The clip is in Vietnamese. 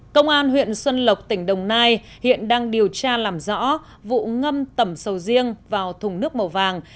công an huyện xuân lộc tỉnh đồng nai hiện đang điều tra làm rõ vụ ngâm tẩm sầu riêng vào thùng nước màu vàng